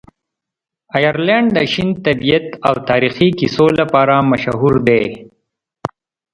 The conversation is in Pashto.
آیرلنډ د شین طبیعت او تاریخي کیسو لپاره مشهوره دی.